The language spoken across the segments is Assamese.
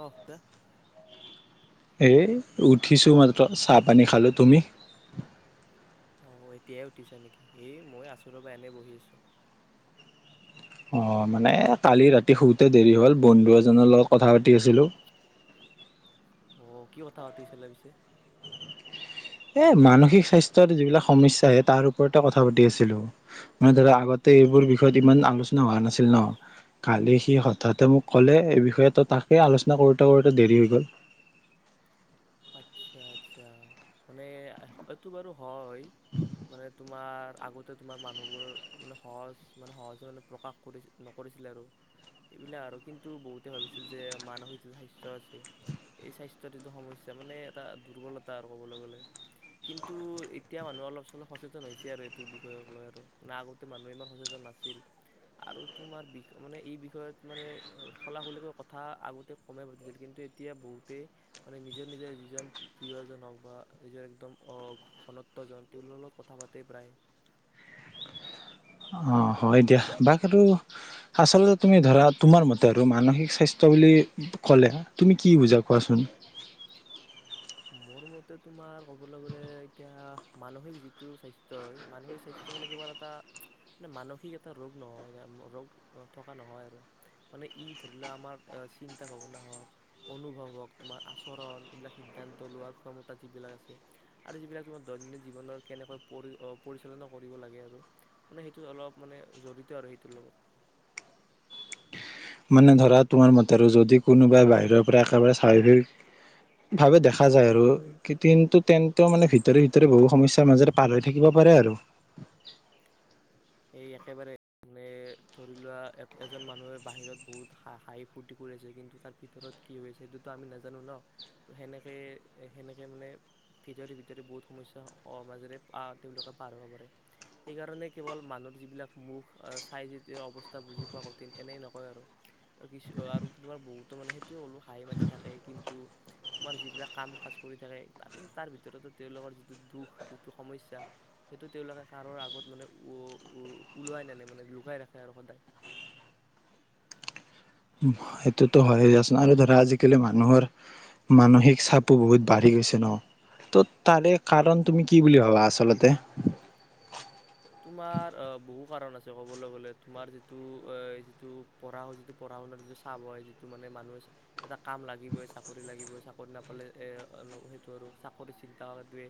অহ দে এই উঠিছোঁ মাত্ৰ চাহপানী খালোঁ তুমি অহ এতিয়াই উঠিছা নেকি এই মই আছোঁ ৰবা এনেই বহি আছোঁ অ মানে কালি ৰাতি শুতে দেৰি হ'ল বন্ধু এজনৰ লগত কথা পাতি আছিলোঁ। অ কি কথা পাতিছিলা পিছে এ মানসিক স্বাস্থ্যৰ যিবিলাক সমস্যা আহে তাৰ ওপৰতে কথা পাতি আছিলো মানে ধৰা আগতে এইবোৰ বিষয়ত ইমান আলোচনা হোৱা নাছিল ন কালি সি হঠাতে মোক ক'লে এই বিষয়টো তাকে আলোচনা কৰোতে কৰোতে দেৰি হৈ গ'ল আচ্ছা আচ্ছা মানে এইটো বাৰু হয় মানে তোমাৰ আগতে তোমাৰ মানুহবোৰ মানে সহজ মানে সহজে মানে প্ৰকাশ কৰি নকৰিছিলে আৰু এইবিলাক আৰু কিন্তু বহুতে ভাবিছিল যে মানসিক স্বাস্থ্য আছে এই স্বাস্থ্যৰ যিটো সমস্যা তাৰ মানে এটা দুৰ্বলতা আৰু ক'বলৈ গ'লে কিন্তু এতিয়া মানুহ অলপ চলপ সচেতন হৈছে আৰু এইটো বিষয়ক লৈ আৰু মানে আগতে মানুহে ইমান সচেতন নাছিল আৰু তোমাৰ বিষ মানে এই বিষয়ত মানে খলা খলিকৈ কথা আগতে কমে পাতিছিল কিন্তু এতিয়া বহুতেই মানে নিজৰ নিজৰ যিজন প্ৰিয়জন হওক বা নিজৰ একদম অ ঘনত্বজন তেওঁলোকৰ লগত কথা পাতেই প্ৰায় অ হয় দিয়া বা সেইটো আৰু আচলতে তুমি ধৰা তোমাৰ মতে আৰু মানসিক স্বাস্থ্য বুলি ক'লে তুমি কি বুজা কোৱাচোন মোৰ মতে তোমাৰ ক'বলৈ গ'লে এতিয়া মানসিক যিটো স্বাস্থ্য মানসিক স্বাস্থ্য মানে কিবা এটাৰ মানে মানসিক এটা ৰোগ নহয় ৰোগ নথকা নহয় আৰু মানে ই ধৰি লোৱা আমাৰ চিন্তা ভাৱনা হওক অনুভৱ হওক তোমাৰ আচৰণ এইবিলাক সি সিদ্ধান্ত লোৱাৰ ক্ষমতা যিবিলাক আছে আৰু যিবিলাক তোমাৰ দৈনন্দিন জীৱনত কেনেকৈ পৰি পৰিচালনা কৰিব লাগে আৰু মানে সেইটো অলপ মানে জড়িত আৰু সেইটোৰ লগত মানে ধৰা তোমাৰ মতে আৰু যদি কোনোবাই বাহিৰৰ পৰা একেবাৰে স্বাভাৱিক ভাৱে দেখা যায় আৰু কিন্তু তেন্তে মানে ভিতৰি ভিতৰি বহু সমস্যাৰ মাজেৰে পাৰ হৈ থাকিব পাৰে আৰু এই একেবাৰে মানে ধৰি লোৱা এজন মানুহে বাহিৰত বহুত হা হাঁহি ফূৰ্তি কৰি আছে কিন্তু তাৰ ভিতৰত কি হৈ আছে সেইটোতো আমি নাজানো ন তো সেনেকে সেনেকে মানে ভিতৰি ভিতৰি বহুত সমস্যা মাজেৰে তেওঁলোকে পাৰ হ'ব পাৰে সেইকাৰণে কেৱল মানুহৰ যিবিলাক মুখ চাই যেতিয়া অৱস্থা বুজি পোৱা কঠিন এনেই নকয় আৰু কিছু আৰু তোমাৰ বহুতো মানে সেইটোৱে কলো হাঁহি মাতি থাকে কিন্তু তোমাৰ যিবিলাক কাম কাজ কৰি থাকে তাৰে তাৰ ভিতৰতো তেওঁলোকৰ যিটো দুখ যিটো সমস্যা সেইটো তেওঁলোকে কাৰোৰে আগত মানে উ ওলোৱাই নানে মানে লুকাই ৰাখে আৰু সদায় সেইটোতো হয়য়ে দিয়াচোন আৰু ধৰা আজিকালি মানুহৰ মানসিক চাপো বহুত বাঢ়ি গৈছে ন ত তাৰে কাৰণ তুমি কি বুলি ভাবা আচলতে তোমাৰ অ বহু কাৰণ আছে ক'বলৈ গলে তোমাৰ যিটো এ যিটো পঢ়া শ যিটো পঢ়া শুনাৰ যিটো চাপ হয় যিটো মানে মানুহে এটা কাম লাগিবই চাকৰি লাগিবই চাকৰি নাপালে এ সেইটো আৰু চাকৰি চিন্তাটোৱে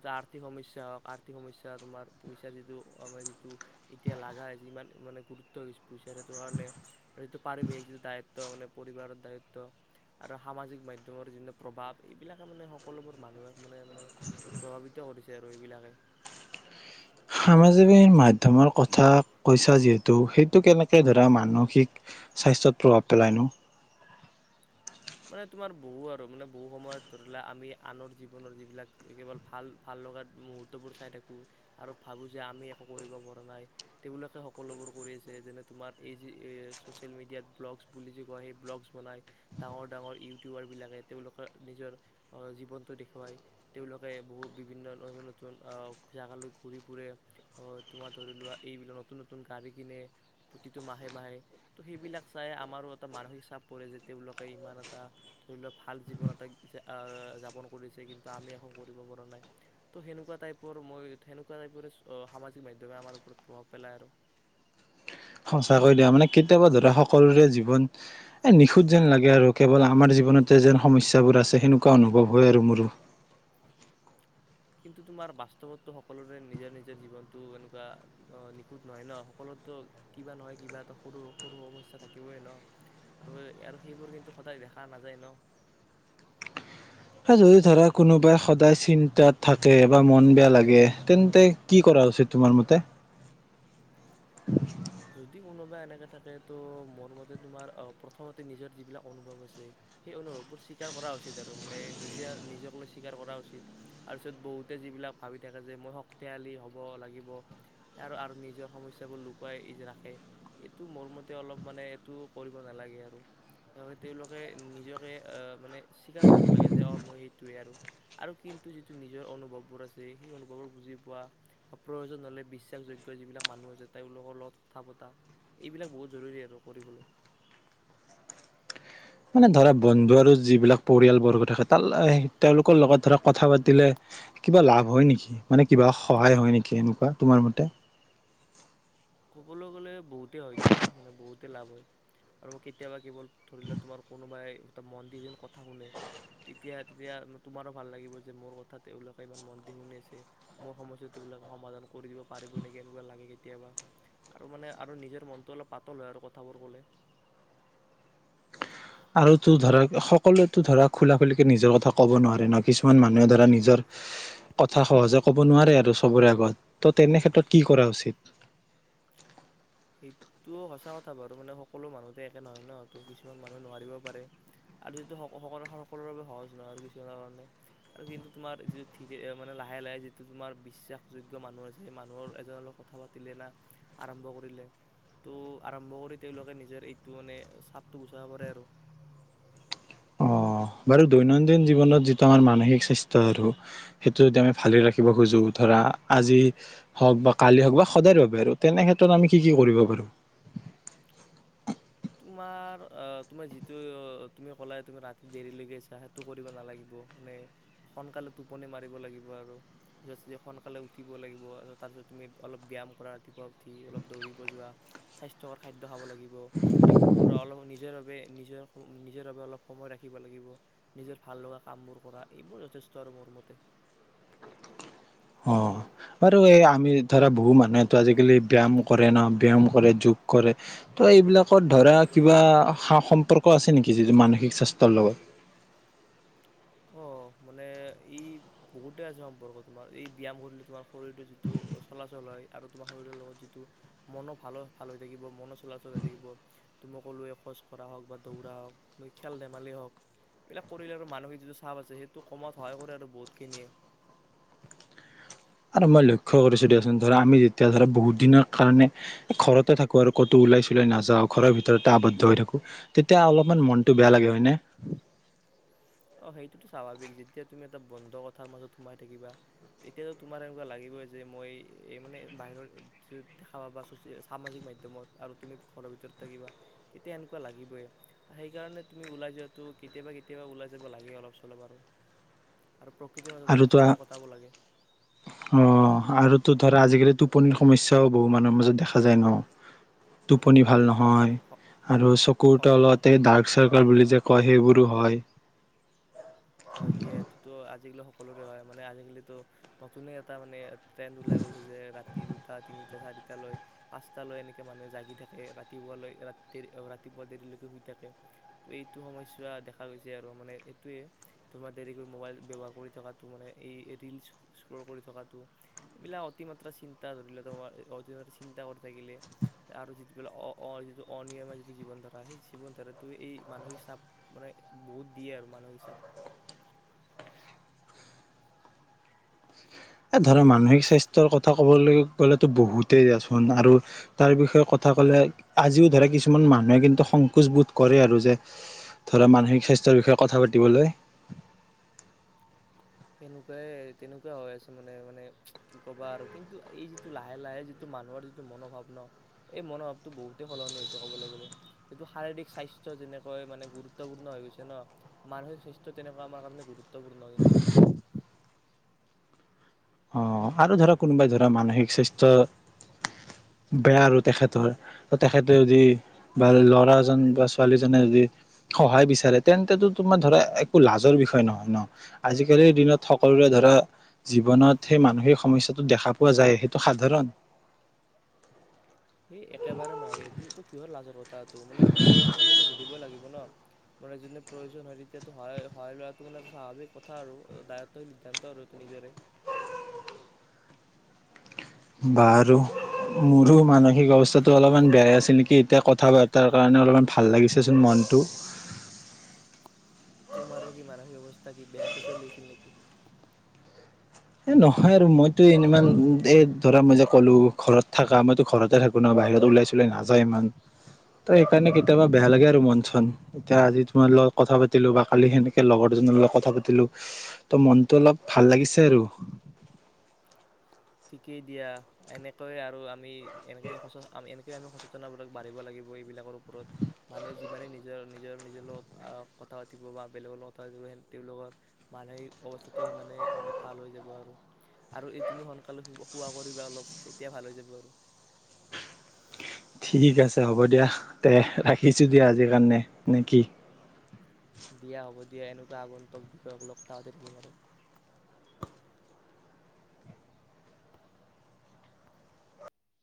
এটা আৰ্থিক সমস্যা হওক আৰ্থিক সমস্যা তোমাৰ এতিয়া যিটো আমাৰ যিটো এতিয়া লাগা হৈছে ইমান মানে গুৰুত্ব হৈছে পইচাৰ সেইটো কাৰণে আৰু সেইটো পাৰিৱেশিক যিটো দায়িত্ব মানে পৰিবাৰৰ দায়িত্ব আৰু সামাজিক মাধ্যমৰ যি প্ৰভাৱ এইবিলাকে মানে সকলোবোৰ মানুহে মানে মানে প্ৰভাৱিত কৰিছে আৰু এইবিলাকে। সামাজিক মাধ্যমৰ কথা কৈছা যিহেতু সেইটো কেনেকে ধৰা মানসিক স্বাস্থ্যত প্ৰভাৱ পেলাইনো? মানে তোমাৰ বহু আৰু মানে বহু সময়ত ধৰিলোৱা আমি আনৰ জীৱনৰ যিবিলাক কেৱল ভাল ভাল লগা মুহুৰ্তবোৰ চাই থাকো আৰু ভাবো যে আমি একো কৰিব পৰা নাই তেওঁলোকে সকলোবোৰ কৰি আছে যেনে তোমাৰ এই যে এই ছ'চিয়েল মিডিয়াত ব্লগ বুলি যে কয় সেই ব্লগ বনাই ডাঙৰ ডাঙৰ ইউটিউবাৰবিলাকে তেওঁলোকৰ নিজৰ অ জীৱনটো দেখুৱায় তেওঁলোকে বহু বিভিন্ন নতুন অ জেগালৈ ঘূৰি ফুৰে অ তোমাৰ ধৰি লোৱা এইবিলাক নতুন নতুন গাড়ী কিনে প্ৰতিটো মাহে মাহে তো সেইবিলাক চাই আমাৰো এটা মানসিক চাপ পৰে যে তেওঁলোক ইমান এটা ধৰি লোৱা ভাল জীৱন এটা আহ যাপন কৰিছে কিন্তু আমি একো কৰিব পৰা নাই ত সেনেকুৱা টাইপৰ মই সেনেকুৱা টাইপৰে সামাজিক মাধ্যমে আমাৰ ওপৰত প্ৰভাৱ পেলাই আৰু সঁচাকৈ দিয়া মানে কেতিয়াবা ধৰা সকলোৰে জীৱন এ নিখুঁত যেন লাগে আৰু কেৱল আমাৰ জীৱনতে যেন সমস্যাবোৰ আছে সেনেকুৱা অনুভৱ হয় আৰু মোৰো কিন্তু তোমাৰ বাস্তৱতো সকলোৰে নিজৰ নিজৰ জীৱনতটো এনেকুৱা নিখুত নহয় ন সকলোতো কিবা নহয় কিবা এটা সৰু সৰু সমস্যা থাকিবই ন আৰু আৰু সেইবোৰ কিন্তু সদায় দেখা নাযায় ন যদি ধৰা কোনোবাই সদায় চিন্তাত থাকে বা মন বেয়া লাগে তেন্তে কি কৰা হৈছে তোমাৰ মতে [unintelligible] যদি কোনোবা এনেকে থাকে তো মোৰ মতে তোমাৰ প্ৰথমতে নিজৰ যিবিলাক অনুভৱ আছে সেই অনুভৱবোৰ স্বীকাৰ কৰা উচিত আৰু মানে নিজে নিজক লৈ স্বীকাৰ কৰা উচিত তাৰপিছত বহুতে যিবিলাক ভাবি থাকে যে মই শক্তিশালী হ'ব লাগিব আৰু নিজৰ সমস্যাবোৰ লুকুৱাই ৰাখে এইটো মোৰ মতে অলপ মানে এইটো কৰিব নালাগে আৰু তেওঁলোকে নিজকে মানে স্বীকাৰ কৰিব লাগে যে অ মই সেইটোৱে আৰু আৰু কিন্তু যিটো নিজৰ অনুভৱবোৰ আছে সেই অনুভৱবোৰ বুজি পোৱা প্ৰয়োজন হলে বিশ্বাসযোগ্য যিবিলাক মানুহ আছে তেওঁলোকৰ লগত কথা পতা এইবিলাক বহুত জৰুৰী আৰু কৰিবলৈ মানে ধৰা বন্ধু আৰু যিবিলাক পৰিয়ালবৰ্গ থাকে তাৰ তেওঁলোকৰ লগত ধৰা কথা পাতিলে কিবা লাভ হয় নেকি মানে কিবা সহায় হয় নেকি এনেকুৱা তোমাৰ মতে ক'বলৈ গ'লে বহুতেই হয় দিয়া মানে বহুতেই লাভ হয় আৰু কেতিয়াবা কেৱল ধৰি লোৱা তোমাৰ কোনোবাই মন দি যেন কথা শুনে তেতিয়া তেতিয়া তোমাৰো ভাল লাগিব যে মোৰ কথা তেওঁলোকে ইমান মন দি শুনিছে মোৰ সমস্যা তেওঁলোকে সমাধান কৰি দিব পাৰিব নেকি এনেকুৱা লাগে কেতিয়াবা আৰু মানে আৰু নিজৰ মনটো অলপ পাতল হয় আৰু কথাবোৰ ক'লে আৰু তো ধৰক সকলোৱে তো ধৰক খোলা খুলিকে নিজৰ কথা কব নোৱাৰে ন কিছুমান মানুহে ধৰা নিজৰ কথা সহজে কব নোৱাৰে আৰু চবৰে আগত ত তেনে ক্ষেত্ৰত কি কৰা উচিত সেইটো সঁচা কথা বাৰু মানে সকলো মানুহতে একে নহয় ন ত কিছুমান মানুহে নোৱাৰিব পাৰে আৰু যিটো সকলোৰে বাবে সহজ নহয় আৰু কিছুমানৰ কাৰণে আৰু কিন্তু তোমাৰ যিটো লাহে লাহে যিটো তোমাৰ বিশ্বাসযোগ্য মানুহ আছে সেই মানুহ এজনৰ লগত কথা পাতিলে না আৰম্ভ কৰিলে- ত' আৰম্ভ কৰি তেওঁলোকে নিজৰ এইটো মানে চাপটো গুচাব পাৰে আৰু অ বাৰু দৈনন্দিন জীৱনত যিটো আমাৰ মানসিকসৃষ্ট আৰু সেইটো যদি আমি ভালে ৰাখিব খোজো ধৰা আজি হওক বা কালি হওক বা সদায় ৰৈব বাবে আৰু তেনে ক্ষেত্ৰত আমি কি কি কৰিব পাৰো? তোমাৰ আহ তোমাৰ যিটো তুমি কলাই তুমি ৰাতি দেৰিলৈকে আছা সেইটো কৰিব নালাগিব মানে সোনকালে টোপনি মাৰিব লাগিব আৰু ৰেচ দি সোনকালে উঠিব লাগিব তাৰপিছত তুমি অলপ ব্যাম কৰা ৰাতিপুৱা উঠি অলপ দৌৰিব যোৱা স্বাস্থ্যকৰ খাদ্য ধহাব লাগিব অল নিজৰ বাবে নিজৰ নিজৰ বাবে অলপ সময় ৰাখিব লাগিব নিজৰ ভাল লগা কামবোৰ কৰা এইবোৰ যথেষ্ট আৰু মোৰ মতে অ বাৰু এই আমি ধৰা বহু মানুহে আজিকালি ব্যায়াম কৰে ন ব ব্যায়াম কৰে যোগ কৰে ত এইবিলাকত ধৰা কিবা সা সম্পৰ্ক আছে নেকি যিটো মানসিক স্বাস্থ্যৰ লগত অ মানে ই বহুতে আছে সম্পৰ্ক তোমাৰ এই ব্যায়াম কৰিলে তোমাৰ শৰীৰটো যিটো চলাচল হয় আৰু তোমাৰ শৰীৰৰ লগত যিটো মন ভাল ভাল হৈ থাকিব মন চলাচল হৈ থাকিব তো মই ক'লোৱ এ খোজ কৰা হওক বা দৌৰা হওক মই খেল ধেমালি হওক এইবিলাক কৰিলে মানসিক যিটো চাপ আছে সেই টো কমাত সহায় কৰে আৰু বহুত খিনিয়ে আৰু মই লক্ষ্য কৰিছো দিয়াচোন ধৰা আমি যেতিয়া ধৰা বহুত দিনৰ কাৰণে ঘৰতে থাকো আৰু ক'তো ওলাই চলাই নাযাওঁ ঘৰৰ ভিতৰতে আৱদ্ধ হৈ থাকো তেতিয়া অলপমান মনটো বেয়া লাগে হয়নে অ সেইটোটো স্বাভাৱিক যেতিয়া তুমি এটা বন্ধ কথাৰ মাজত সোমাই থাকিবা তেতিয়াটো তোমাৰ এনেকুৱা লাগিবই যে মই এই মানে বাহিৰত দেখা সামাজিক মাধ্যমত আৰু তুমি ঘৰৰ ভিতৰত থাকিবা তেতিয়া এনেকুৱা লাগিবে সেইকাৰণে তুমি ওলাই যোৱাটো কেতিয়াবা কেতিয়াবা উলায়। লাগে অলপ চলে বাৰু আৰু প্ৰকৃতিৰ মাজত আৰু অলপ তো সময় কটাব লাগে তো ধৰা আজিকালি টোপনিৰ সমস্যাও বহু মানুৰ মাজত দেখা যায় ন টোপনি ভাল নহয় হয় আৰু চকুৰ অ তলতে ডাৰ্ক চাৰ্ক বুলি যে কয় সেইবোৰো হয় হয় দিয়া এইটোতো আজিকালি সকলোৰে হয় মানে আজিকালিতো নতুনে এটা মানে ট্ৰেইন ওলাই গৈছে যে ৰাতি দুটা তিনি চাৰিটা লৈ পাঁচটা লৈ এনেকে মানুহে জাগি থাকে ৰাতিপুৱালৈ ৰাতি ৰাতিপুৱা দেৰিলৈকে শুই থাকে ত এইটো সমস্যা দেখা গৈছে আৰু মানে এইটোয়ে। তোমাৰ দেৰিকৈ মোবাইল ব্যৱহাৰ কৰি থকাটো মানে এই ৰিলচ স্ক্ৰল কৰি থকাটো এইবিলাক অতিমাত্ৰা চিন্তা ধৰিলে তোমাৰ অতিমাত্ৰ চিন্তা কৰি থাকিলে আৰু যিবিলাক যিটো অনিয়মৰ যিটো জীৱন ধাৰা সেই জীৱন ধাৰটো এই মানসিক চাপ মানে বহুত দিয়ে আৰু মানসিক চাপ এ ধৰা মানসিক স্বাস্থ্যৰ কথা কবলৈ গলে তো বহুতেই দাচোন আৰু তাৰ বিষয়ে কথা কলে আজিও ধৰা কিছুমান মানুহে কিন্তু সংকোচ বোধ কৰে আৰু যে ধৰা মানসিক স্বাস্থ্যৰ বিষয়ে কথা পাতিবলৈ। সেনেকুৱাই তেনেকুৱা হৈ আছে মানে মানে কি ক'বা আৰু কিন্তু এই যিটো লাহে লাহে যিটো মানুহৰ যিটো মনোভাৱ ন এই মনোভাৱটো বহুতেই সলনি হৈছে কবলৈ গলে এইটো শাৰীৰিক স্বাস্থ্য যেনেকৈ মানে গুৰুত্বপূৰ্ণ হৈ গৈছে ন মানসিক স্বাস্থ্য তেনেকুৱা আমাৰ কাৰণে গুৰুত্ব গুৰুত্বপূৰ্ণ কিন্তু অ আৰু ধৰা কোনোবাই ধৰা মানসিক স্বাস্থ্য বেয়া আৰু তেখেতৰ তেখেতে যদি বা ল'ৰাজন বা ছোৱালীজনে যদি সহায় বিচাৰে তেন্তে তোমাৰ ধৰা একো লাজৰ বিষয় নহয় ন আজিকালিৰ দিনত সকলোৰে ধৰা জীৱনত সেই মানসিক সমস্যাটো দেখা পোৱা যায় সেইটো সাধাৰণ সেই একেবাৰে নহয় এইটোতটো কিহৰ লাজৰ কথা ত মে প্ৰয়োজন হ'লেতো সুধিব লাগে ন মানে যো প্ৰয়োজন হয় তেতিয়ো সহায় সহায় লোৱাটো মানে স্বাভাৱিক কথা আৰু দায়ত্বশীল সিদ্ধান্ত আৰু এইটো নিজৰে বাৰো মোৰো মানসিক অৱস্থাটো অলপমান বেয়াই আছিল নেকি এতিয়া কথা বতাৰ কাৰণে অলপমান ভাল লাগিছেচোন মনটো তোমাৰো কি মানসিক অৱস্থা তাকি বেয়াতে চলি আছিল নেকি? এ নহয় আৰু মইতো ই ইমান এ ধৰা মই যে ক'লো ঘৰত থাকা মইতো ঘৰতে থাকো ন বাহিৰত ওলাই চলাই নাযা ইমান ত সেইকাৰণে কেতিয়াবা বেয়া লাগে আৰু মন চন এতিয়া আজি তোমাৰ লগত কথা পাতিলো বা কালি সেনেকে লগৰ দুজনৰ লগত কথা পাতিলো ত মনটো অলপ ভাল লাগিছে আৰু ঠিকেই দিয়া এনেকৈয়ে আৰু আমি এনেকে সঁচা এনে আমি সচেতনোৰ বাঢ়িব লাগিব এইবিলাকৰ ওপৰত, মানুহে যিমানে নিজৰ-নিজৰ-নিজৰ লগ কথা পাতিব বা বেলেগৰ লগত কথা পাতিব, তেওঁলোকৰ মানসিক অৱস্থাটো সিমানে মানে ভাল হৈ যাব আৰু-আৰু এইটো সোনকালে শোৱা কৰিবা অলপ তেতিয়া ভাল হৈ যাব আৰু। ঠিক আছে হ'ব দিয়া দে ৰাখিছোঁ দিয়া আজিৰ কাৰণে, নে কি? দিয়া হ'ব। দিয়া এনেকুৱা আগন্তক বিষয়মূলক কথা পাতি থাকিম আৰু।